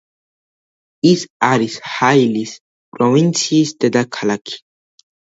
ის არის ჰაილის პროვინციის დედაქალაქი.